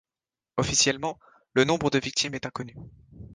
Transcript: Officiellement, le nombre de victimes est inconnu.